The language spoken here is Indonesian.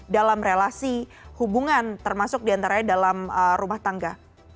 dalam relasi hubungan termasuk diantaranya dalam rumah tangga